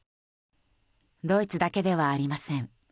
ドイツだけではありません。